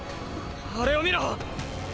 あれを見ろ！！